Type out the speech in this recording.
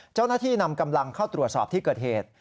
เจ้าหน้าที่นำกำลังเข้าตรวจสอบที่เกิดเหตุ